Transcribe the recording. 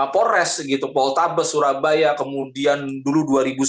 polres gitu poltaba surabaya kemudian dulu dua ribu sebelas